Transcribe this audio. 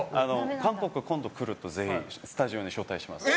韓国、今度来る時全員スタジオに招待します。